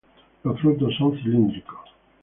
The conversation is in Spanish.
Los frutos son cilíndricos.